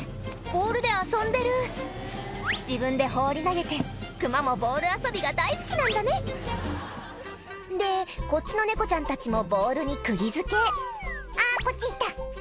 ボールで遊んでる自分で放り投げて熊もボール遊びが大好きなんだねでこっちの猫ちゃんたちもボールにくぎ付け「あぁこっち行った」